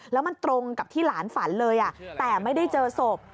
แล้วมันตรงกับที่หลานฝันเลยแต่ไม่ได้เจอศพ